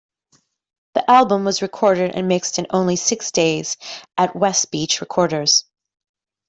The album was recorded and mixed in only six days at Westbeach Recorders.